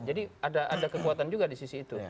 jadi ada kekuatan juga di sisi itu